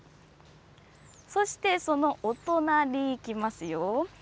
そしてそのお隣いきますよ。